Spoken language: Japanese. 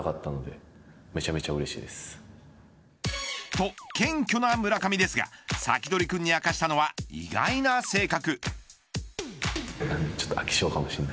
と謙虚な村上ですがサキドリくんに明かしたのは意外な性格。